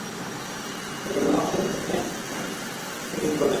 পরে Noakhali police line থেকে অতিরিক্ত পুলিশ এসে পরিস্থিতি নিয়ন্ত্রণে আনে।